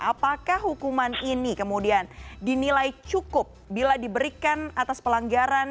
apakah hukuman ini kemudian dinilai cukup bila diberikan atas pelanggaran